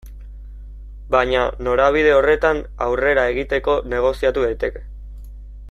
Baina norabide horretan aurrera egiteko negoziatu daiteke.